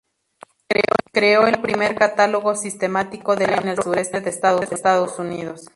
Creó el primer catálogo sistemático de la flora en el sureste de Estados Unidos.